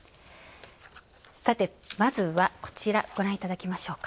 まずは、こちらご覧いただきましょうか。